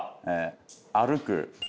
歩く。